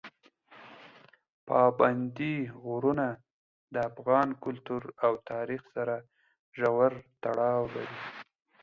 پابندي غرونه د افغان کلتور او تاریخ سره ژور تړاو لري.